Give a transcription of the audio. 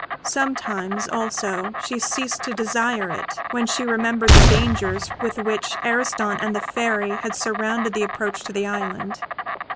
Sometimes, also, she ceased to desire it, when she remembered the dangers with which Ariston and the Fairy had surrounded the approach to the island.